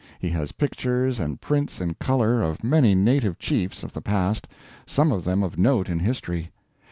He has pictures and prints in color of many native chiefs of the past some of them of note in history.